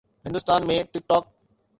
Hindustan ۾ ٽڪ talk